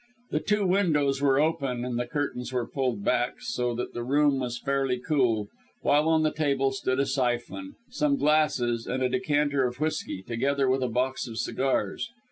The two windows were open and the curtains were pulled back, so that the room was fairly cool, while on the table stood a syphon, some glasses and a decanter of whisky, together with a box of cigars.